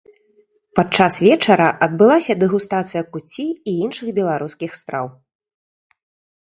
Падчас вечара адбылася дэгустацыя куцці і іншых беларускіх страў.